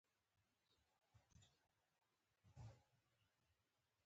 که نورڅه نه کیده، لاسونه به پر لمر ولیکم